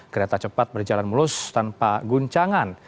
kereta cepat berjalan mulus tanpa guncangan